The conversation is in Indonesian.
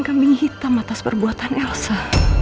kambing hitam atas perbuatan elsa